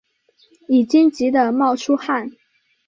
已经急的冒出汗